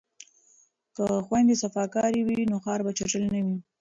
که خویندې صفاکارې وي نو ښار به چټل نه وي.